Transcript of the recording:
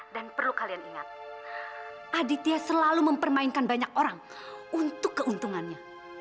dan perlu kalian ingat aditya selalu mempermainkan banyak orang untuk keuntungannya